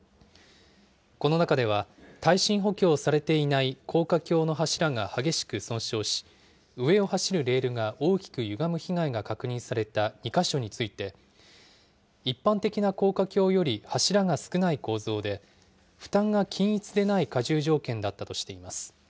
この中では、耐震補強されていない高架橋の柱が激しく損傷し、上を走るレールが大きくゆがむ被害が確認された２か所について、一般的な高架橋より柱が少ない構造で、負担が均一でない荷重条件だったとしています。